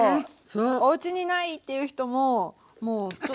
そうおうちにないっていう人ももうちょっと。